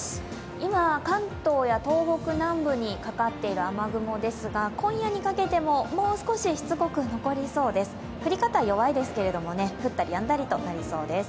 今、関東や東北南部にかかっている雨雲ですが、今夜にかけても、もう少し、しつこく残りそうです降り方は弱いですけれども、降ったりやんだりとなりそうです。